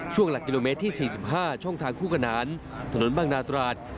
หลักกิโลเมตรที่๔๕ช่องทางคู่ขนานถนนบางนาตราด